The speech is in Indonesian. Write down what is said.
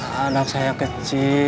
anak saya kecil